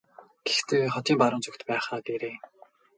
Гэхдээ хотын баруун зүгт байх аа гээрэй.